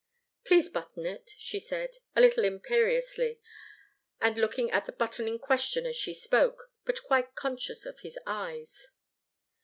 "Please button it!" she said, a little imperiously, and looking at the button in question as she spoke, but quite conscious of his eyes.